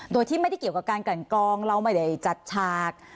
โดยที่ไม่ได้เกี่ยวกับการกันกรองเราไม่ได้จัดฉาก